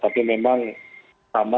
tapi memang sama